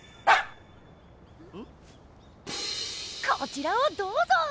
こちらをどうぞ！